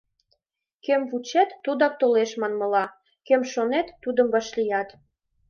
Кӧм вучет — тудак толеш манмыла, кӧм шонет — тудым вашлият.